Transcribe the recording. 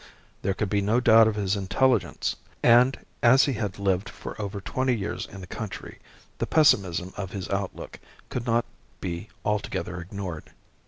There could be no doubt of his intelligence; and as he had lived for over twenty years in the country, the pessimism of his outlook could not be altogether ignored.